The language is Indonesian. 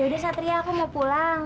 yaudah satria aku mau pulang